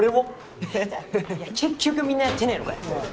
結局みんなやってねえのかよ。